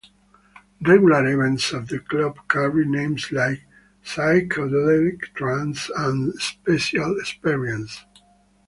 Regular events at the club carried names like "Psychedelic Trance" and "Special Experience".